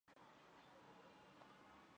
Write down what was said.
滇南狸尾豆为豆科狸尾豆属下的一个种。